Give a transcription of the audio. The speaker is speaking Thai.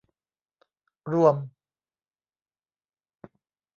รวม